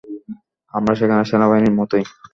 আমরা সেখানে সেনাবাহিনীর মতোই।